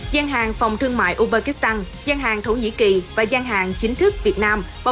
gian hàng phòng thương mại ubakistan gian hàng thổ nhĩ kỳ và gian hàng chính thức việt nam